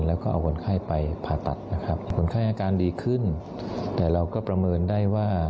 แล้วก็เอาคนไข้ไปผ่าตัดนะครับคนไข้อาการดีขึ้นแต่เราก็ประเมินได้ว่า